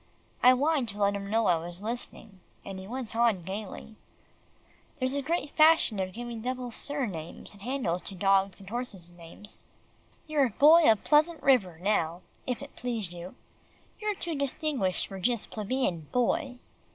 I whined to let him know I was listening, and he went on gaily, "There's a great fashion of giving double sir names and handles to dogs and horses' names. You're Boy of Pleasant River now, if it please you. You're too distinguished for just plebeian Boy."